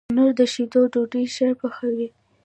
تنور د شیدو ډوډۍ ښه پخوي